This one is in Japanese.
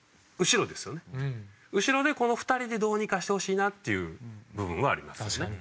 後ろでこの２人でどうにかしてほしいなっていう部分はあります。